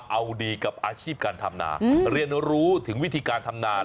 เอาดีกับอาชีพการทำนาเรียนรู้ถึงวิธีการทำนา